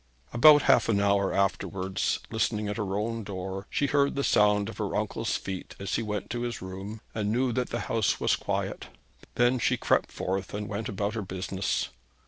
About half an hour afterwards, listening at her own door, she heard the sound of her uncle's feet as he went to his room, and knew that the house was quiet. Then she crept forth, and went about her business.